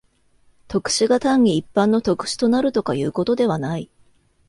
特殊が単に一般の特殊となるとかいうことではない。